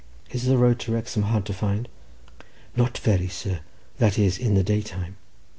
Is the road to Wrexham hard to find?" "Not very, sir; that is, in the day time.